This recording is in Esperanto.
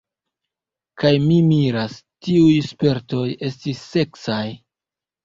Kaj li miras: tiuj spertoj estis seksaj.